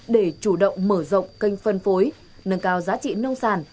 để chủ động mở rộng kênh phân phối nâng cao giá trị nông sản